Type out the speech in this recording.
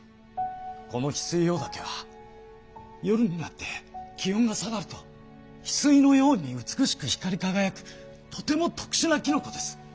このヒスイオオダケは夜になって気温が下がるとヒスイのように美しく光りかがやくとても特しゅなキノコです。